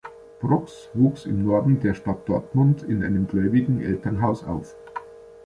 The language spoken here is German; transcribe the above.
Brox wuchs im Norden der Stadt Dortmund in einem gläubigen Elternhaus auf.